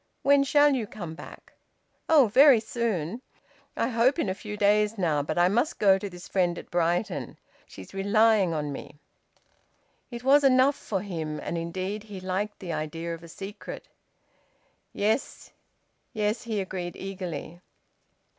"When shall you come back?" "Oh! Very soon. I hope in a few days, now. But I must go to this friend at Brighton. She's relying on me." It was enough for him, and indeed he liked the idea of a secret. "Yes, yes," he agreed eagerly.